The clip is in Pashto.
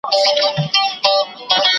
بیا به تمبېږي د پلکونو، ګزارونه درنـــه.